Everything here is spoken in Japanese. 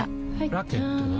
ラケットは？